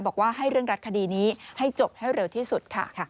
บอกว่าให้เร่งรัดคดีนี้ให้จบให้เร็วที่สุดค่ะ